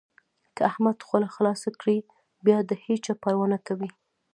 که احمد خوله خلاصه کړي؛ بيا د هيچا پروا نه کوي.